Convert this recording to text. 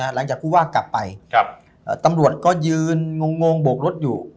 หลังจากผู้ว่ากลับไปตำรวจก็ยืนงงโบกรถอยู่